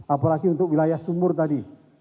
apalagi untuk wilayah sumur tadi